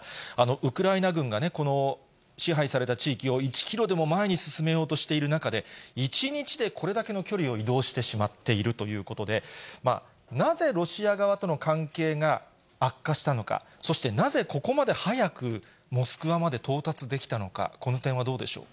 ウクライナ軍がこの支配された地域を１キロでも前に進めようとしている中で、１日でこれだけの距離を移動してしまっているということで、なぜロシア側との関係が悪化したのか、そしてなぜ、ここまで早くモスクワまで到達できたのか、この点はどうでしょう